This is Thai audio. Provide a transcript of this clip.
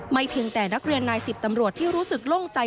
เพียงแต่นักเรียนนายสิบตำรวจที่รู้สึกโล่งใจ